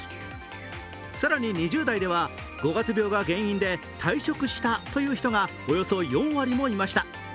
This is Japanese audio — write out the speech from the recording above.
更に、２０代では五月病が原因で退職したという人がおよそ４割もいました。